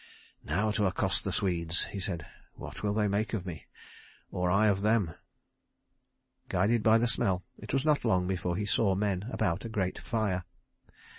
"Now to accost the Swedes," he said. "What will they make of me? Or I of them?" Guided by the smell he was not long before he saw men about a great fire.